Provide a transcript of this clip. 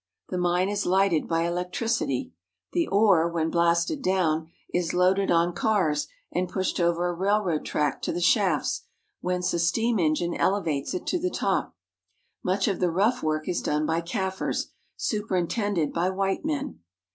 The mine is lighted by electricity; the ore, when blasted down, is loaded on cars and pushed over a railroad track to the shafts, whence a steam engine elevates it to the top. Much of the rough work is done by Kaffirs, superintended by white men.